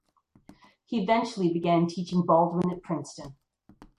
He eventually began teaching Baldwin at Princeton.